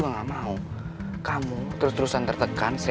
kalau kamu pasang internet